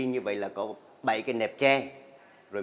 như vậy là có bảy cái nẹp tre